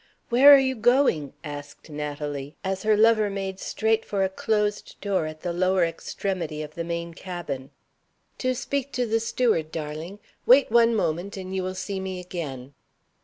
"Where are you going?" asked Natalie, as her lover made straight for a closed door at the lower extremity of the main cabin. "To speak to the steward, darling. Wait one moment, and you will see me again."